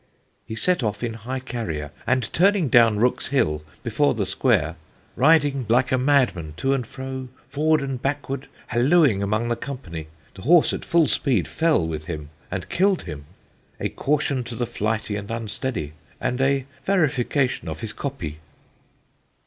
"He set off in High Carrier, and turning down Rooks's Hill before the Sqr., rideing like a madman To and fro, forward and backward Hallooing among the Company, the Horse at full speed fell with him and kill'd him. A Caution to the flighty and unsteady; and a verification of his Coppy."